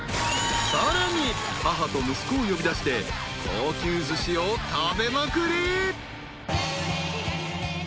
［さらに母と息子を呼び出して高級ずしを食べまくり］